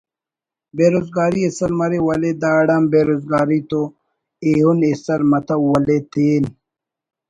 بے روز گاری ایسر مرے ولے داڑان بے روزگاری تو ایہن ایسر متو ولے تین